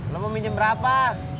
lo mau minjem berapa